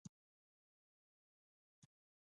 ایا مصنوعي ځیرکتیا د معلوماتي ګډوډۍ لامل نه ګرځي؟